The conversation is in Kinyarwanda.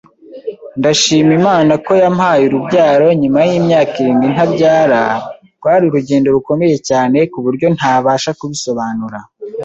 ndashima Imana ko yampaye urubyaro nyuma y’imyaka irindwi ntabyara, rwari urugendo rukomeye cyane ku buryo ntabasha kubisobanura